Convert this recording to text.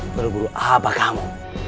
berburu apa kamu